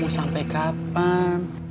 mau sampai kapan